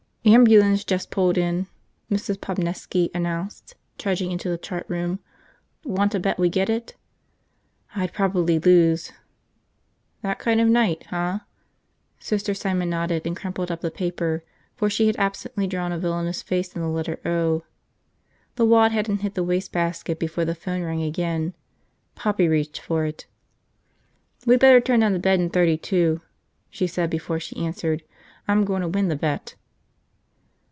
"Ambulance just pulled in," Mrs. Popnesky announced, trudging into the chart room. "Wanta bet we get it?" "I'd probably lose." "That kind of a night, huh?" Sister Simon nodded and crumpled up the paper, for she had absently drawn a villainous face in the letter O. The wad hadn't hit the wastebasket before the phone rang again. Poppy reached for it. "We better turn down the bed in 32," she said before she answered. "I'm gonna win the bet."